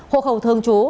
hộ hậu thương chú